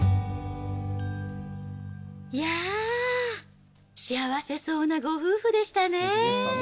いやー、幸せそうなご夫婦でしたね。